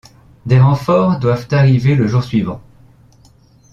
Des renforts doivent arriver le jour suivant.